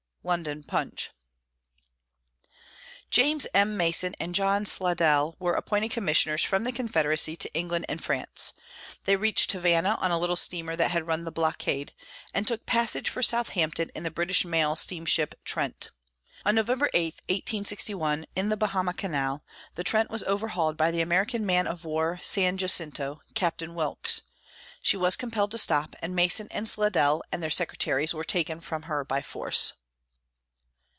London Punch. James M. Mason and John Slidell were appointed commissioners from the Confederacy to England and France; they reached Havana on a little steamer that had run the blockade, and took passage for Southampton in the British mail steamship Trent. On November 8, 1861, in the Bahama Channel, the Trent was overhauled by the American man of war San Jacinto, Captain Wilkes. She was compelled to stop, and Mason and Slidell and their secretaries were taken from her by force.